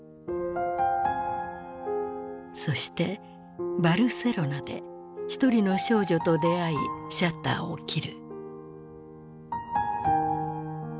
そしてバルセロナで一人の少女と出会いシャッターを切る。